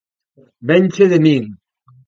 Vénche de min.